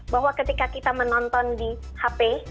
bahwa ketika kita menonton di hp